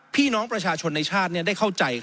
พี่น้องประชาชนในชาติได้เข้าใจ